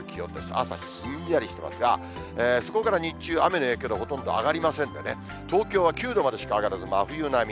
朝ひんやりしてますが、そこから日中、雨の影響でほとんど上がりませんでね、東京は９度までしか上がらず、真冬並み。